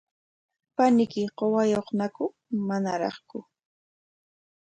¿Paniyki qusayuqñaku manaraqku?